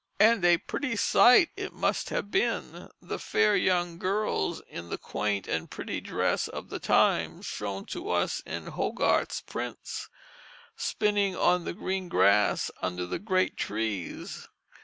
And a pretty sight it must have been: the fair young girls in the quaint and pretty dress of the times, shown to us in Hogarth's prints, spinning on the green grass under the great trees.